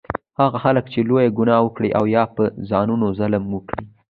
هغه خلک چې لویه ګناه وکړي او یا په ځانونو ظلم وکړي